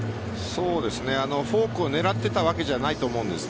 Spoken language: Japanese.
フォークを狙っていたわけじゃないと思うんです。